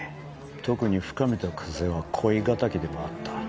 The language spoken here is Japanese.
特に深海と久瀬は恋敵でもあった。